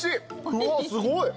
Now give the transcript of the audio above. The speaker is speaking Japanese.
うわっすごい。